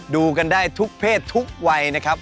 ดูกันได้ทุกเพศทุกวัยนะครับ